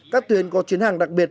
các tuyến có chuyến hàng đặc biệt